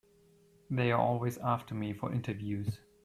They're always after me for interviews.